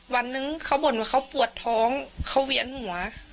วันนึงเขาบ่นว่าเขาปวดท้องเขาเวียนหัว